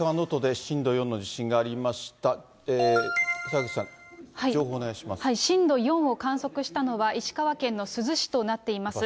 澤口さん、震度４を観測したのは、石川県の珠洲市となっています。